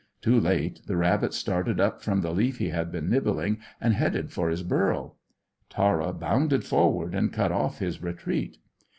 Too late the rabbit started up from the leaf he had been nibbling, and headed for his burrow. Tara bounded forward and cut off his retreat.